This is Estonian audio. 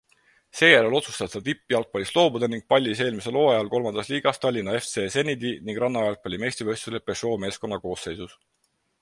Seejärel otsustas ta tippjalgpallist loobuda ning pallis eelmisel hooajal III liigas Tallinna FC Zenidi ning rannajalgpalli meistrivõistlustel Peugeot' meeskonna koosseisus.